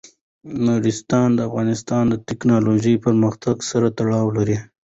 نورستان د افغانستان د تکنالوژۍ پرمختګ سره تړاو لري.